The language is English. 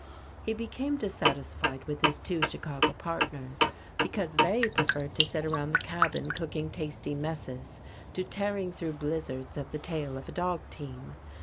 He became dissatisfied with his two Chicago partners, because they preferred to sit around the cabin cooking tasty messes to tearing through blizzards at the tail of a dog team.